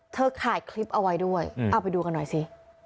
ถ่ายคลิปเอาไว้ด้วยเอาไปดูกันหน่อยสิ